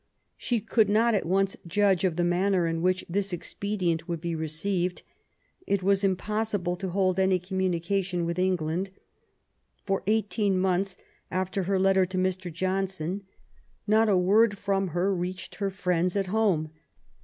She could not at once judge of the manner in which this expedient would be received. It was impossible to hold any communication with England. For eighteen months after her letter to Mr. Johnson not a word from her reached her friends at home.